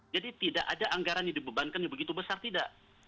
jadi tidak ada anggaran yang dibebankan yang begitu besar tidak